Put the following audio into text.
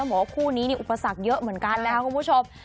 บอกว่าคู่นี้อุปสรรคเยอะเหมือนกันนะครับคุณผู้ชม